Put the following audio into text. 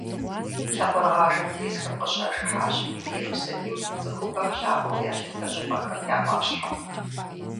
Лъакъуэрыгъажэм тесхэм къыщажыхьащ Иерусалим - цӏыхубэм лъапӏэу ялъытэ щӏыпӏэхэм я ӏуащхьэм.